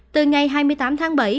từ ngày hai mươi tám tháng bảy